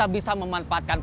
jam berapa kang